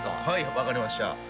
はい分かりました。